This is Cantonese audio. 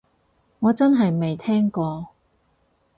我真係未聽過